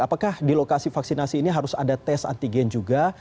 apakah di lokasi vaksinasi ini harus ada tes antigen juga